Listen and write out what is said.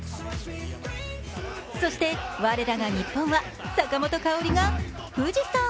そして、我らが日本は坂本花織が富士山。